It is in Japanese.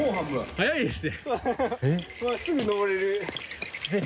早いですね。